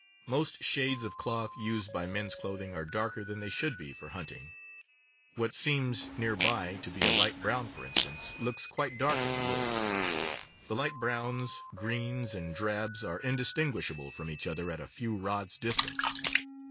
Most shades of cloth used for men's clothing are darker than they should be for hunting. What seems, near by, to be a light brown, for instance, looks quite dark in the woods. The light browns, greens, and drabs are indistinguish able from each other at a few rods' distance.